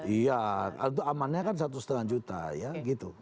iya itu amannya kan satu lima juta ya gitu